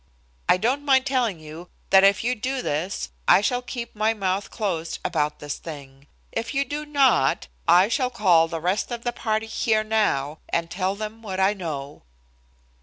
I don't mind telling you that if you do this I shall keep my mouth closed about this thing; if you do not, I shall call the rest of the party here now and tell them what I know."